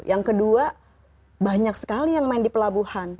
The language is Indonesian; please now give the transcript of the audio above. yang kedua banyak sekali yang main di pelabuhan